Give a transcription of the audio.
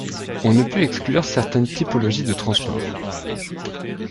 On ne peut exclure certaines typologies de transport.